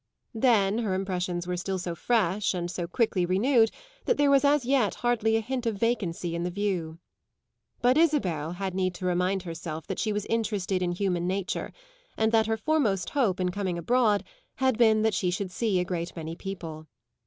Then her impressions were still so fresh and so quickly renewed that there was as yet hardly a hint of vacancy in the view. But Isabel had need to remind herself that she was interested in human nature and that her foremost hope in coming abroad had been that she should see a great many people.